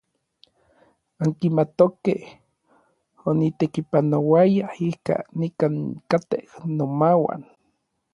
Ankimatokej onitekipanouaya ika nikankatej nomauan.